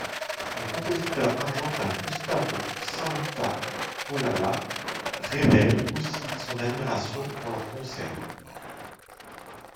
Le compositeur argentin Gustavo Santaolalla, révèle aussi son admiration pour leur concert.